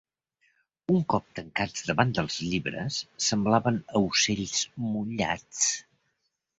Un cop tancats davant dels llibres, semblaven aucells mullats